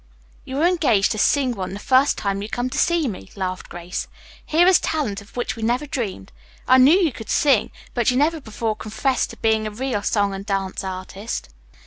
"You are engaged to sing one the first time you come to see me," laughed Grace. "Here is talent of which we never dreamed. I knew you could sing, but you never before confessed to being a real song and dance artist."